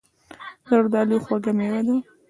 زردالو خوږه مېوه ده.